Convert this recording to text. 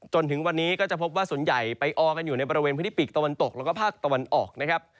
จนถึงวันนี้ก็จะพบว่าส่วนใหญ่ไปออกันอยู่ในบริเวณพื้นที่ปีกตะวันตกแล้วก็ภาคตะวันออกนะครับ